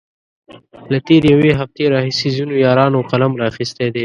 له تېرې يوې هفتې راهيسې ځينو يارانو قلم را اخستی دی.